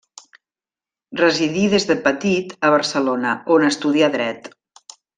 Residí des de petit a Barcelona, on estudià dret.